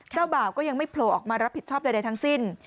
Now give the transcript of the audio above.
บ่าวก็ยังไม่โผล่ออกมารับผิดชอบใดทั้งสิ้น